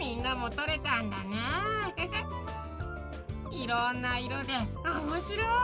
いろんないろでおもしろい！